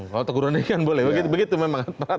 kalau teguran ringan boleh begitu memang